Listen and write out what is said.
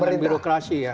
tangan birokrasi ya